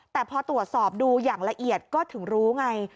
แต่พอตรวจสอบดูอย่างละเอียดก็ถึงรู้ไง